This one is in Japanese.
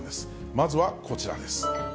まずはこちらです。